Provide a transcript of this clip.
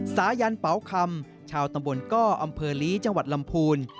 สายันเป๋าคำชาวตำบลก้ออำเภอลีจังหวัดลำพูน